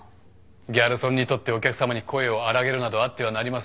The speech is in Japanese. ギャルソンにとってお客さまに声を荒らげるなどあってはなりません。